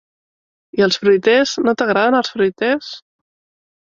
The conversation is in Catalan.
I els fruiters? No t'agraden els fruiters?